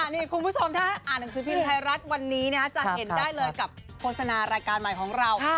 นี่คุณผู้ชมถ้าอ่านหนังสือพิมพ์ไทยรัฐวันนี้จะเห็นได้เลยกับโฆษณารายการใหม่ของเรา